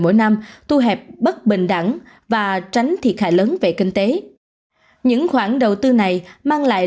mỗi năm thu hẹp bất bình đẳng và tránh thiệt hại lớn về kinh tế những khoản đầu tư này mang lại